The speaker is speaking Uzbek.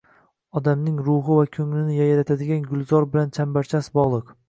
– odamning ruhi va ko’nglini yayratadigan gulzor bilan chambarchas bog’liq.